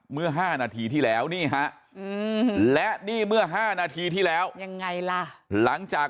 เมื่อ๕นาทีที่แล้วนี่ฮะและนี่เมื่อ๕นาทีที่แล้วยังไงล่ะหลังจาก